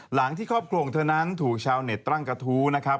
หลังที่ครอบครัวของเธอนั้นถูกชาวเน็ตตั้งกระทู้นะครับ